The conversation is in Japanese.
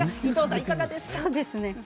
いかがですか？